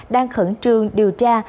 đang khẩn trương điều tra